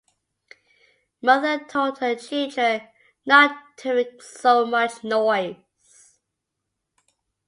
Mother told her children not to make so much noise.